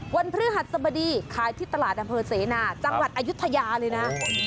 พฤหัสสบดีขายที่ตลาดอำเภอเสนาจังหวัดอายุทยาเลยนะ